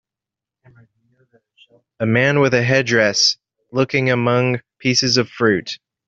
A man with a headdress looking among pieces of fruit.